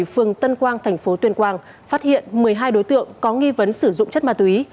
phường tân quang thành phố tuyên quang phát hiện một mươi hai đối tượng có nghi vấn sử dụng chất ma túy